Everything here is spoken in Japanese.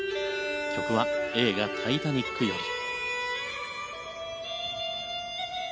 曲は映画「タイタニック」より。